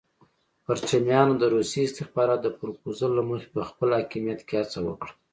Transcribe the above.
پرچمیانو د روسي استخباراتو د پرپوزل له مخې په خپل حاکمیت کې هڅه وکړه.